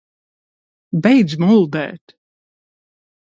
Beidz muldēt!